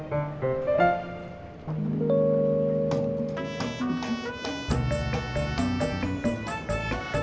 dan setelah mereka moms itu ternyata